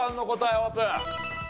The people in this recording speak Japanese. オープン。